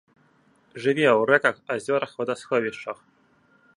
Жыве ў рэках, азёрах, вадасховішчах.